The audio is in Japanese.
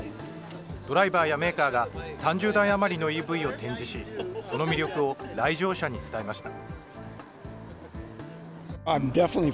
ドライバーやメーカーが３０台余りのＥＶを展示し、その魅力を来場者に伝えました。